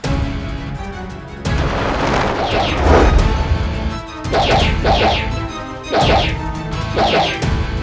untuk latihan tempur